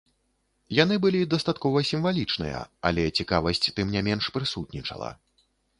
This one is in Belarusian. Яны былі дастаткова сімвалічныя, але цікавасць, тым не менш, прысутнічала.